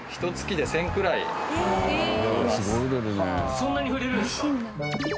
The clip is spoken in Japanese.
そんなに売れるんですか？